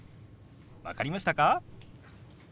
分かりましたか？